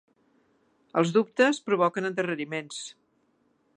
Els dubtes provoquen endarreriments.